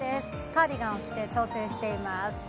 カーディガンを着て、調整しています。